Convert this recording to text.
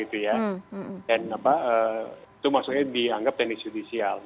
itu maksudnya dianggap teknis judisial